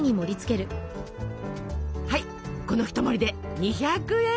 はいこの一盛りで２００円。